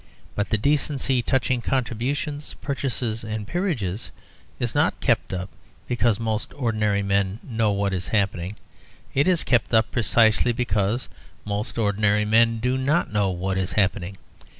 But the decency touching contributions, purchases, and peerages is not kept up because most ordinary men know what is happening; it is kept up precisely because most ordinary men do not know what is happening.